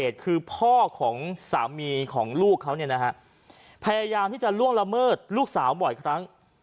ตอนที่จะล่วงละเมิดลูกสาวบ่อยครั้ง